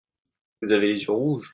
Vous avez les yeux rouges.